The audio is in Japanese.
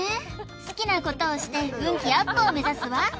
好きなことをして運気アップを目指すわ！